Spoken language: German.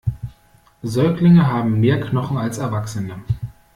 Säuglinge haben mehr Knochen als Erwachsene.